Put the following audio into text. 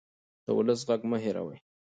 د ولس غږ مه هېروئ